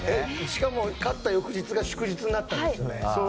しかも、勝った翌日が祝日になったんですよね。